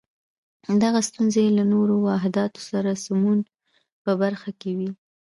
دغه ستونزې یې له نورو واحداتو سره د سمون په برخه کې وې.